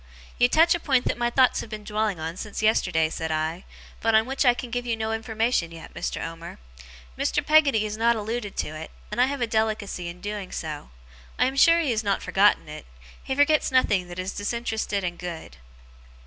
'You touch a point that my thoughts have been dwelling on since yesterday,' said I, 'but on which I can give you no information yet, Mr. Omer. Mr. Peggotty has not alluded to it, and I have a delicacy in doing so. I am sure he has not forgotten it. He forgets nothing that is disinterested and good.